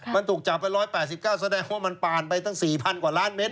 มันถูกจับไป๑๘๙แสดงว่ามันผ่านไปตั้ง๔๐๐กว่าล้านเมตร